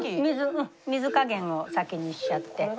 うん水加減を先にしちゃって。